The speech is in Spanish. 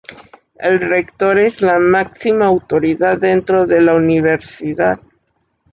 El rector es la máxima autoridad dentro de la universidad.